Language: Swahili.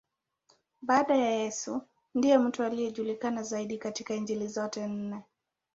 Baada ya Yesu, ndiye mtu anayejulikana zaidi katika Injili zote nne.